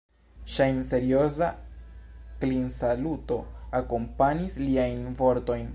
Ŝajnserioza klinsaluto akompanis liajn vortojn.